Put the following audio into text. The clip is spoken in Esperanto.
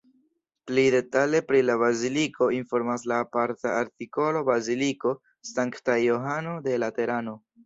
Pli detale pri la baziliko informas la aparta artikolo Baziliko Sankta Johano de Laterano.